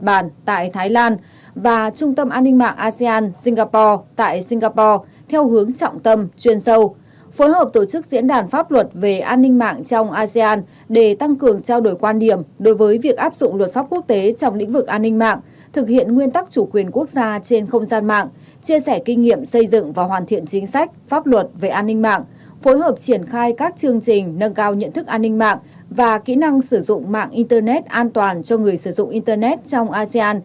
mạng tây lan và trung tâm an ninh mạng asean singapore tại singapore theo hướng trọng tâm chuyên sâu phối hợp tổ chức diễn đàn pháp luật về an ninh mạng trong asean để tăng cường trao đổi quan điểm đối với việc áp dụng luật pháp quốc tế trong lĩnh vực an ninh mạng thực hiện nguyên tắc chủ quyền quốc gia trên không gian mạng chia sẻ kinh nghiệm xây dựng và hoàn thiện chính sách pháp luật về an ninh mạng phối hợp triển khai các chương trình nâng cao nhận thức an ninh mạng và kỹ năng sử dụng mạng internet an toàn cho người sử dụng internet trong ase